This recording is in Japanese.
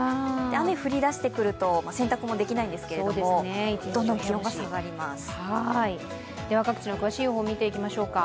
雨降りだしてくると洗濯もできないんですけどどんどん気温が下がります。